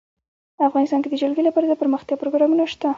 افغانستان کې د جلګه لپاره دپرمختیا پروګرامونه شته.